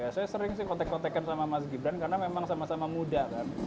saya sering sih kontek kontekan sama mas gibran karena memang sama sama muda kan